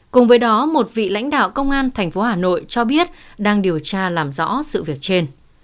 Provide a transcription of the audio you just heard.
cùng với đó một vị lãnh đạo công an tp hà nội cho biết đang điều tra làm rõ sự việc trên